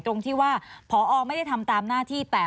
ตรงที่ว่าผอไม่ได้ทำตามน่าที่แห้ง